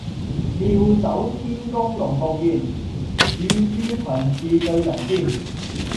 妙手天工龍鳳宴，乳豬裙翅醉神仙